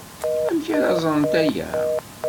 Amek ara ẓrent aya?